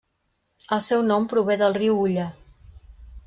El seu nom prové del riu Ulla.